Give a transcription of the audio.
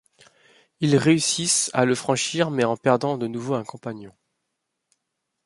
Ils réussissent à le franchir mais en perdant de nouveau un compagnon.